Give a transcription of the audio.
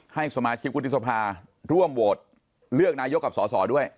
ให้สมาชิกวุฒิสภาร่วมโหวตเลือกนายกกับสอสอด้วย